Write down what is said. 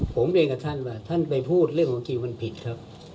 ผมเรียนกับท่านว่าท่านไปพูดเรื่องของคิวมันผิดครับ